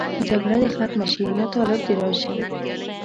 جګړه دې ختمه شي، نو طالب دې راشي.